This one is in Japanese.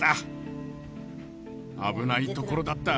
危ないところだった。